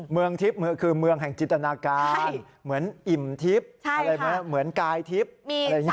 เมืองทิพย์คือเมืองแห่งจิตนาการเหมือนอิ่มทิพย์เหมือนกายทิพย์